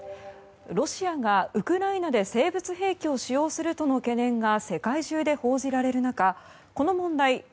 ロシアがウクライナで生物兵器を使用するとの懸念が世界中で報じられる中この問題